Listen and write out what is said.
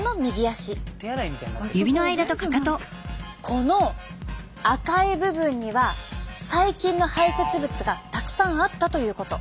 この赤い部分には細菌の排せつ物がたくさんあったということ。